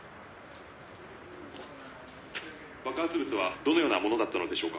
「爆発物はどのようなものだったのでしょうか？」